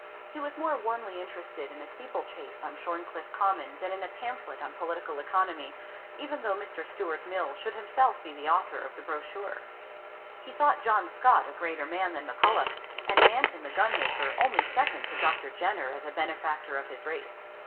He was more warmly interested in a steeplechase on Shorncliffe Common than in a pamphlet on political economy, even though Mr. Stuart Mill should himself be the author of the brochure. He thought John Scott a greater man than Maculloch; and Manton the gunmaker only second to Dr. Jenner as a benefactor of his race.